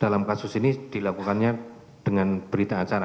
dalam kasus ini dilakukannya dengan berita acara